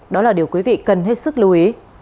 đó là điều quý vị cần hết sức lưu ý